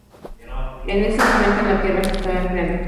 En ese momento en la tierra se estaba enfriando.